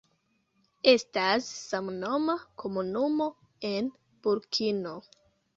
Estas samnoma komunumo en Burkino.